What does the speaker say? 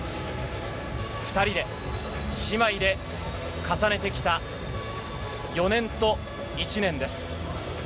２人で姉妹で重ねてきた４年と１年です。